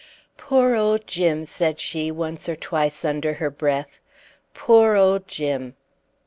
"Poor old Jim!" said she once or twice under her breath. "Poor old Jim!"